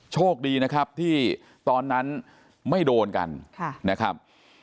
โชคดีนะครับที่ตอนนั้นไม่โดนกันนะครับ